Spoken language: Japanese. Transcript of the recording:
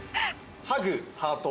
ハグハート。